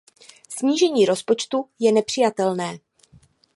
Snížení rozpočtu je nepřijatelné.